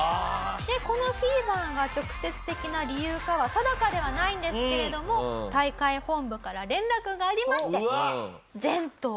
このフィーバーが直接的な理由かは定かではないんですけれども大会本部から連絡がありまして。